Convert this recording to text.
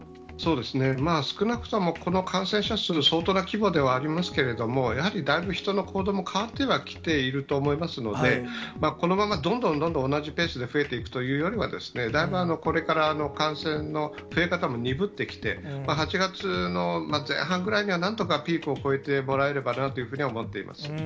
少なくとも、この感染者数、相当な規模ではありますけれども、やはりだいぶ人の行動も変わってはきていると思いますので、このまま、どんどんどんどん同じペースで増えていくというよりは、だいぶこれから感染の増え方も鈍ってきて、８月の前半ぐらいにはなんとかピークを越えてもらえればなというふうに思っています。